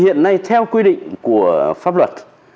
hiện nay theo quy định của pháp luật